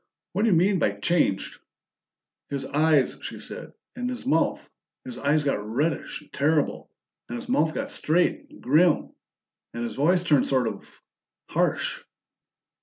What do you mean by changed?" "His eyes," she said. "And his mouth. His eyes got reddish and terrible, and his mouth got straight and grim. And his voice turned sort of harsh."